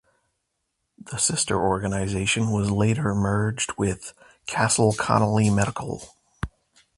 The sister organization was later merged with "Castle Connolly Medical".